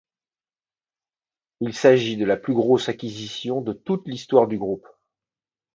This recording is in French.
Il s'agit de la plus grosse acquisition de toute l'histoire du groupe.